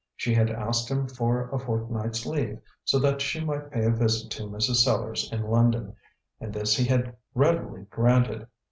She had asked him for a fortnight's leave, so that she might pay a visit to Mrs. Sellars in London, and this he had readily granted.